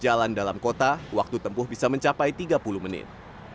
jalan dalam kota waktu tempuh bisa mencapai tiga puluh menit